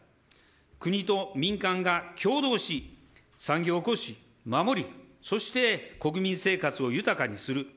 国と民間が共同し、産業を興し、守り、そして国民生活を豊かにする。